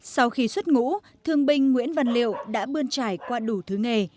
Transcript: sau khi xuất ngũ thương binh nguyễn văn liệu đã bươn trải qua đủ thứ nghề